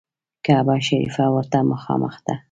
کعبه شریفه ورته مخامخ ده.